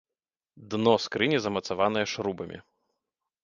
Дно скрыні замацаванае шрубамі.